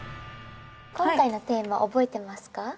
今回のテーマ覚えてますか？